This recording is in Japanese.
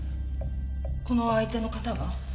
この相手の方は？